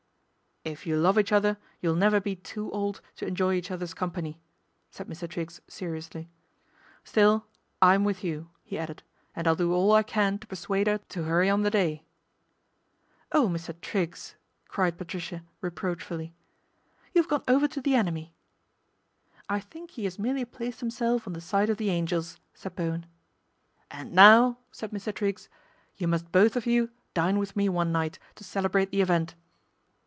" If you love each other you'll never be too old to enjoy each other's company," said Mr. Triggs seriously. " Still, I'm with you," he added, " and I'll do all I can to persuade 'er to hurry on the day." " Oh, Mr. Triggs !" cried Patricia reproach fully, " you have gone over to the enemy." " I think he has merely placed himself on the side of the angels," said Bowen. " And now," said Mr. Triggs, " you must both of you dine with me one night to celebrate the event.